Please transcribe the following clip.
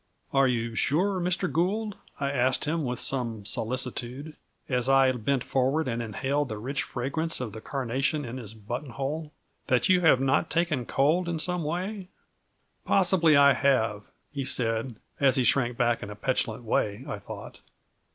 "Are you sure, Mr. Gould," I asked him with some solicitude, as I bent forward and inhaled the rich fragrance of the carnation in his button hole, "that you have not taken cold in some way?" "Possibly I have," he said, as he shrank back in a petulant way, I thought.